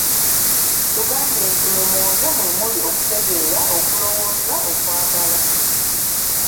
Tugambye nti mu mwoyo mwe muli okutegeera, okulowooza, okwagala.